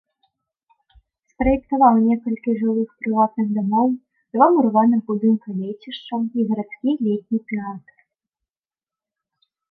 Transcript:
Спраектаваў некалькі жылых прыватных дамоў, два мураваных будынка лецішчаў і гарадскі летні тэатр.